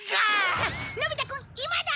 さあのび太くん今だ！